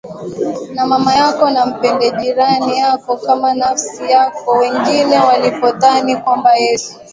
na mama yako na Mpende jirani yako kama nafsi yako Wengine walipodhani kwamba Yesu